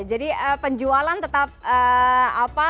jadi penjualan tetap apa